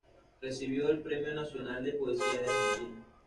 Recibió el Premio Nacional de Poesía de Argentina.